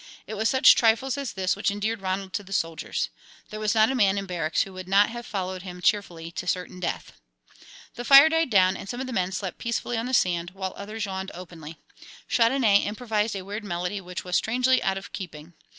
It was such trifles as this which endeared Ronald to the soldiers. There was not a man in barracks who would not have followed him cheerfully to certain death. The fire died down and some of the men slept peacefully on the sand, while others yawned openly. Chandonnais improvised a weird melody which was strangely out of keeping.